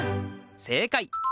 正解。